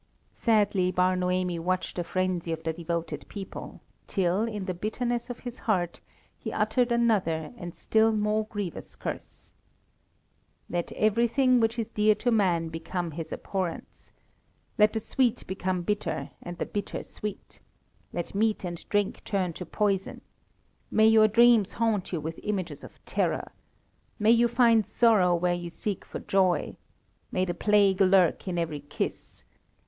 Sadly Bar Noemi watched the frenzy of the devoted people, till, in the bitterness of his heart, he uttered another and still more grievous curse. "Let everything which is dear to man become his abhorrence. Let the sweet become bitter, and the bitter sweet. Let meat and drink turn to poison. May your dreams haunt you with images of terror. May you find sorrow where you seek for joy. May the plague lurk in every kiss.